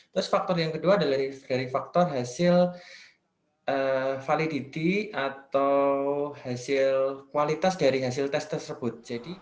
terus faktor yang kedua adalah dari faktor hasil validity atau hasil kualitas dari hasil tes tersebut